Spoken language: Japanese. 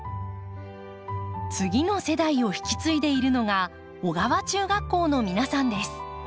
次の世代を引き継いでいるのが尾川中学校の皆さんです。